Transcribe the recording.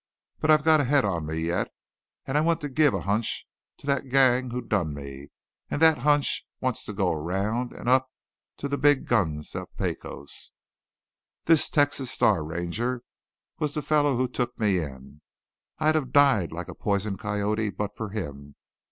But I've got a head on me yet, an' I want to give a hunch to thet gang who done me. An' that hunch wants to go around an' up to the big guns of Pecos. "This Texas Star Ranger was the feller who took me in. I'd of died like a poisoned coyote but fer him.